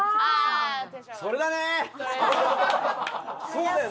そうだよ！